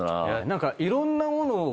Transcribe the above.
何かいろんなものを。